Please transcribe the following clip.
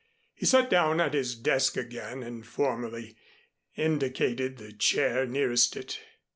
He sat down at his desk again and formally indicated the chair nearest it.